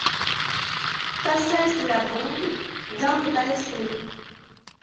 Passage de la Bonde, Dun-le-Palestel